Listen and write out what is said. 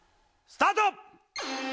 スタート！